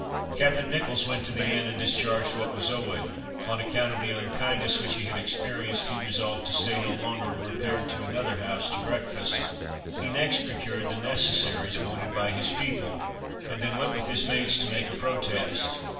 Captain Nicholls went to the inn and discharged what was owing; on account of the unkindness which he had experienced, he resolved to stay no longer, and repaired to another house to breakfast. He next procured the necessaries wanted by his people, and then went with his mates to make a protest.